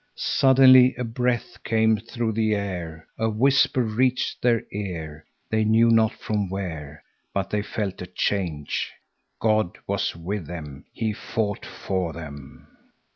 Suddenly a breath came through the air, a whisper reached their ear. They knew not from where, but they felt a change. God was with them. He fought for them.